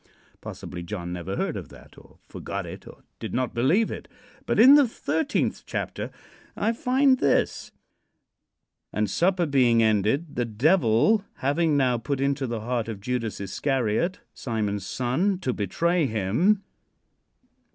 Possibly John never heard of that, or forgot it, or did not believe it. But in the thirteenth chapter I find this: "And supper being ended, the Devil having now put into the heart of Judas Iscariot, Simon's son, to betray him."...